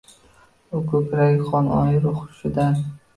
U koʻkragi qon, ayru hushidan